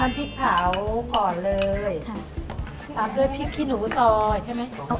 พริกเผาก่อนเลยค่ะตามด้วยพริกขี้หนูซอยใช่ไหม